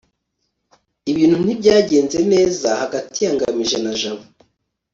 ibintu ntibyagenze neza hagati ya ngamije na jabo